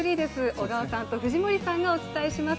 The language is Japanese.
小川さんと藤森さんがお伝えします。